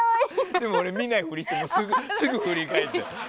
でも、俺見ないふりしてすぐ振り返って。